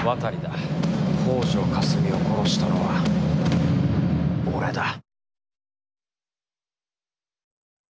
北條かすみを殺したのは俺だ。